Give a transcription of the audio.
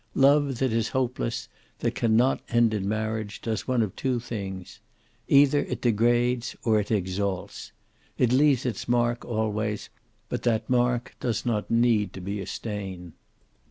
Love that is hopeless, that can not end in marriage, does one of two things. Either it degrades or it exalts. It leaves its mark, always, but that mark does not need to be a stain."